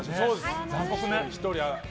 残酷ね。